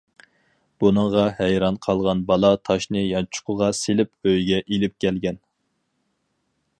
بۇنىڭغا ھەيران قالغان بالا تاشنى يانچۇقىغا سېلىپ ئۆيىگە ئېلىپ كەلگەن.